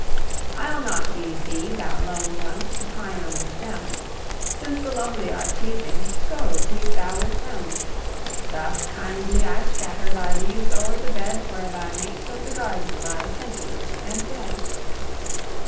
I'll not leave thee, thou lone one! To pine on the stem; Since the lovely are sleeping, Go, sleep thou with them. Thus kindly I scatter Thy leaves o'er the bed Where thy mates of the garden Lie scentless and dead.